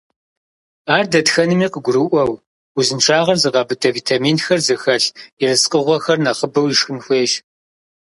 Ар дэтхэнэми къыгурыӏуэу, узыншагъэр зыгъэбыдэ витаминхэр зыхэлъ ерыскъыгъуэхэр нэхъыбэу ишхын хуейщ.